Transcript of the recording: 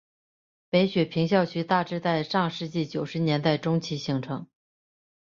北雪平校区大致在上世纪九十年代中期形成。